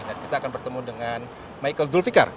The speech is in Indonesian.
dan kita akan bertemu dengan michael zulfikar